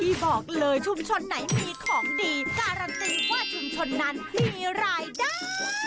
บอกเลยชุมชนไหนมีของดีการันตีว่าชุมชนนั้นมีรายได้